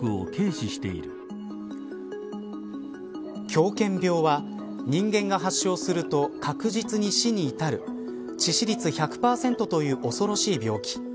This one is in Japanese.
狂犬病は、人間が発症すると確実に死に至る致死率１００％という恐ろしい病気。